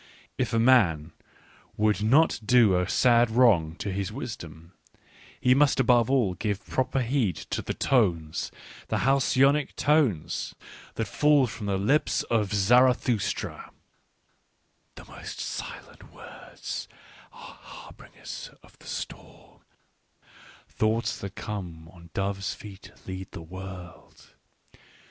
If a man would not do a sad wrong to his wisdom, he must, above all give proper heed to the tones — the halcyonic tones — that fall from the lips of Zarathustra :—" The most silent words are harbingers of the storm ; thoughts that come on dove's feet lead the world.